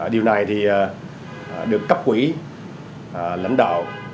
điều này thì được cấp quỹ lãnh đạo